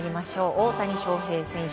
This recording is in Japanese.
大谷翔平選手